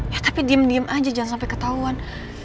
ya tapi diem diem aja jangan sampe ketauan